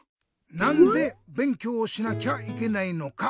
なんでべんきょうをしなきゃいけないのか。